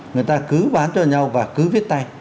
người ta cứ bán cho nhau và cứ viết tay